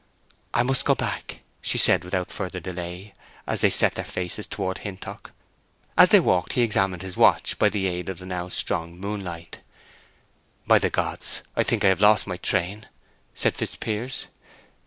"I must go back," she said; and without further delay they set their faces towards Hintock. As they walked he examined his watch by the aid of the now strong moonlight. "By the gods, I think I have lost my train!" said Fitzpiers.